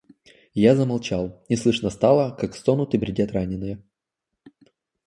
И я замолчал, и слышно стало, как стонут и бредят раненые.